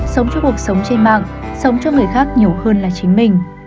sống cho cuộc sống trên mạng sống cho người khác nhiều hơn là chính mình